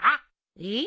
えっ？